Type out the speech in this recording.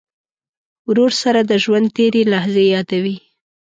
ورور سره د ژوند تېرې لحظې یادوې.